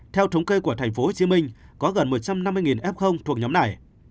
theo thống kê của tp hcm có gần một trăm năm mươi f thuộc nhóm này